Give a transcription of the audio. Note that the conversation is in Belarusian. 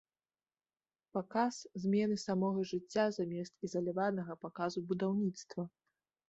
Паказ змены самога жыцця замест ізаляванага паказу будаўніцтва.